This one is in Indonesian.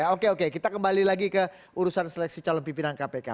oke oke kita kembali lagi ke urusan seleksi calon pimpinan kpk